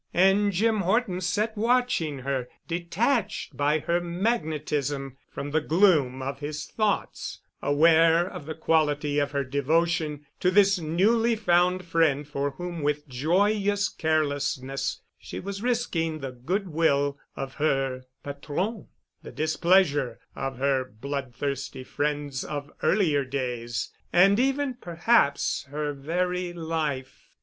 And Jim Horton sat watching her, detached by her magnetism from the gloom of his thoughts, aware of the quality of her devotion to this newly found friend for whom with joyous carelessness she was risking the good will of her patron, the displeasure of her bloodthirsty friends of earlier days and even perhaps her very life.